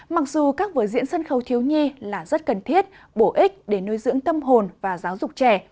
mặc dù các vở diễn sân khấu thiếu nhi là rất cần thiết bổ ích để nuôi dưỡng tâm hồn và giáo dục trẻ